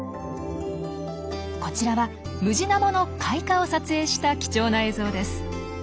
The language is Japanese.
こちらはムジナモの開花を撮影した貴重な映像です。